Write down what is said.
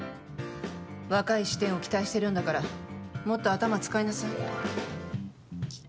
若い視点を期待しているんだからもっと頭使いなさい。